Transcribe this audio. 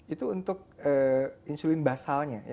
itu untuk insulin basalnya